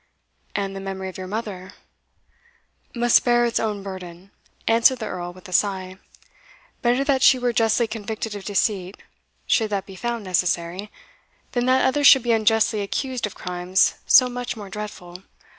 "And the memory of your mother?" "Must bear its own burden," answered the Earl with a sigh: "better that she were justly convicted of deceit, should that be found necessary, than that others should be unjustly accused of crimes so much more dreadful."